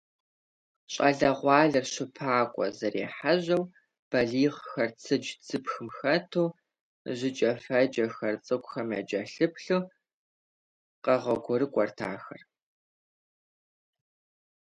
ЩӀалэгъуалэр щыпакӀуэ зэрехьэжьэу, балигъхэр цыдж–цыпхым хэту, жыкӀэфэкӀэхэр цӀыкӀухэм якӀэлъыплъу къэгъуэгурыкӀуэрт ахэр.